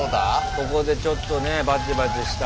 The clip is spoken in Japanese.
ここでちょっとねバチバチした。